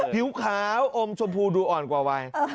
ผิวขาวอมชมพูดูอ่อนกว่าวัย